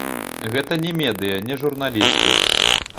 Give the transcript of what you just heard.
Гэта не медыя, не журналісты.